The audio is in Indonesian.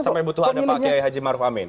sama ibu tuhan ada pak kiai haji maruf amin